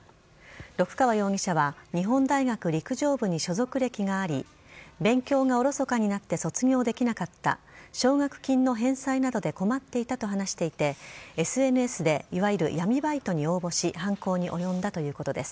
六川容疑者は日本大学陸上部に所属歴があり勉強がおろそかになって卒業できなかった奨学金の返済などで困っていたと話していてＳＮＳでいわゆる闇バイトに応募し犯行に及んだということです。